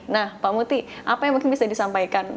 nah pak muti apa yang mungkin bisa disampaikan